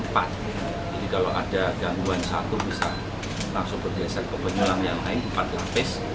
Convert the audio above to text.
jadi kalau ada gangguan satu bisa langsung bergeser ke penyulang yang lain empat lapis